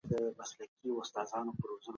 نېکمرغي یوازې په نورو هیوادونو کي مه لټوئ.